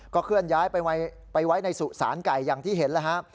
เคลื่อนย้ายไปไว้ในสุสานไก่อย่างที่เห็นแล้วฮะ